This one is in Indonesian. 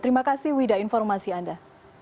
terima kasih wida informasi anda